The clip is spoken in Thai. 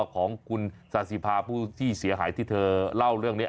ของคุณซาสิภาผู้ที่เสียหายที่เธอเล่าเรื่องนี้